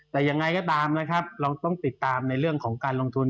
แต่ยังไงก็ตามนะครับเราต้องติดตามในเรื่องของการลงทุน